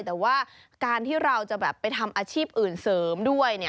แต่ว่าการที่เราจะแบบไปทำอาชีพอื่นเสริมด้วย